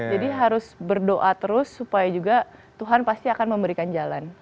harus berdoa terus supaya juga tuhan pasti akan memberikan jalan